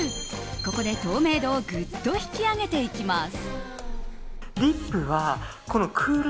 ここで透明度をぐっと引き上げていきます。